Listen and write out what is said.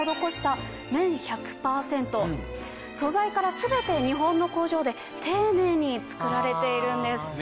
素材から全て日本の工場で丁寧に作られているんです。